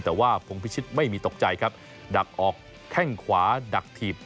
แต่ว่าพงพิชิตไม่มีตกใจครับดักออกแข้งขวาดักถีบ